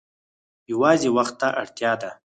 یوازې وخت ته اړتیا ده.